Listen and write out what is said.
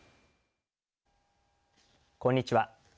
こんにちは。